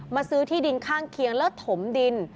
ซื้อที่ดินข้างเคียงแล้วถมดิน